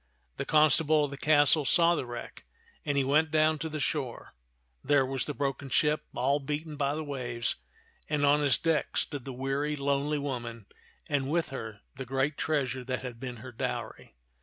The constable of the castle saw the wreck, and he went down to the shore. There was the broken ship all beaten by the waves, and on its deck stood the weary, lonely woman, and with her the great treasure that had been her dowry.